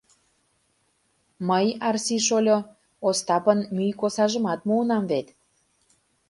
Мый, Арси шольо, Остапын мӱй косажымат муынам вет.